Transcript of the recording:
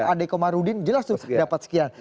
adeko marudin jelas tuh dapat sekian